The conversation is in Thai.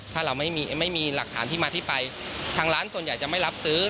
ถ้าเราไม่มีหลักฐานที่มาที่ไปทางร้านส่วนใหญ่จะไม่รับซื้อ